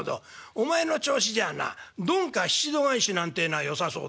「お前の調子じゃなどんか七度返しなんてえのはよさそうだな」。